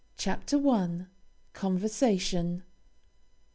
CHAPTER I. CONVERSATION.